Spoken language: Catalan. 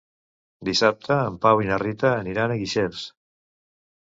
Dissabte en Pau i na Rita aniran a Guixers.